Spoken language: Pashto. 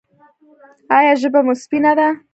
ایا ژبه مو سپینه ده؟